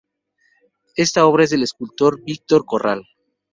Esta obra es del escultor Víctor Corral.